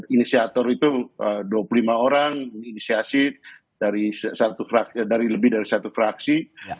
inisiator itu dua puluh lima orang inisiasi dari lebih dari satu fraksi